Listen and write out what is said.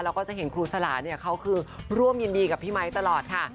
ก็จะเห็นครูสลาเนี่ยเขาคือร่วมยินดีกับพี่ไมค์ตลอดค่ะ